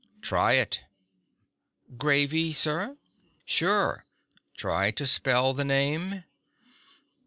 "Try it." "Gravy, sir?" "Sure. Try to spell the name."